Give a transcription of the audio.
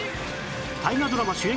大河ドラマ主演